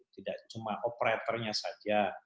tidak cuma operaturnya saja